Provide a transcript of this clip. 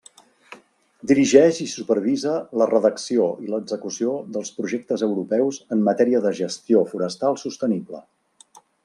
Dirigeix i supervisa la redacció i l'execució dels projectes europeus en matèria de gestió forestal sostenible.